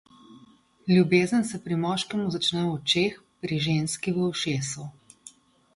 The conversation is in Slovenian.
Ljubezen se pri moškemu začne v očeh, pri ženski v ušesu.